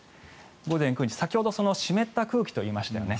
午前９時、先ほど湿った空気といいましたね。